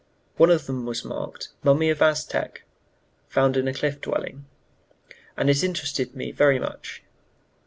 One of them was marked "Mummy of an Aztec, found in a Cliff Dwelling," and it interested me very much.